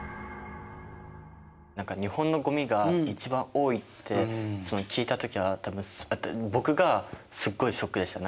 何か日本のごみが一番多いって聞いた時は多分僕がすっごいショックでした。